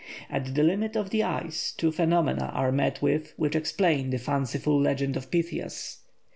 At the limit of the ice two phenomena are met with which explain the fanciful legend of Pytheas.